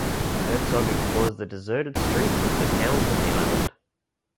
Herzog explores the deserted streets of the towns on the island.